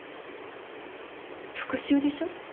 復讐でしょ？